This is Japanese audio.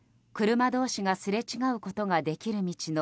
車同士がすれ違うことができる道の